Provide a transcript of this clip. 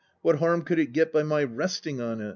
What harm could it get by my rest ing on it?